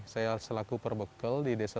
saya selaku perbekal di desa